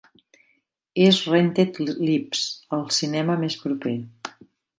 És "Rented Lips" al cinema més proper